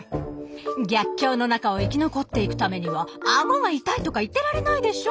逆境の中を生き残っていくためにはアゴが痛いとか言ってられないでしょ！